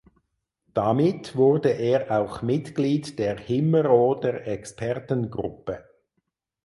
Damit wurde er auch Mitglied der Himmeroder Expertengruppe.